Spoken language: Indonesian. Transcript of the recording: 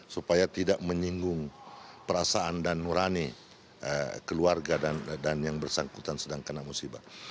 supaya tidak menyinggung perasaan dan nurani keluarga dan yang bersangkutan sedang kena musibah